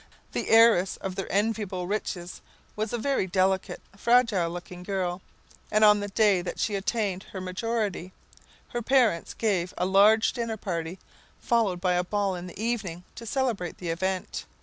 The heiress of their enviable riches was a very delicate, fragile looking girl, and on the day that she attained her majority her parents gave a large dinner party, followed by a ball in the evening, to celebrate the event.